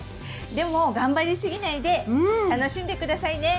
でも頑張りすぎないで楽しんで下さいね！